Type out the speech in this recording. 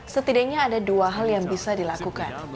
setidaknya ada dua hal yang bisa dilakukan